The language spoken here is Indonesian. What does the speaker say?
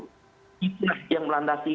kita yang melandasi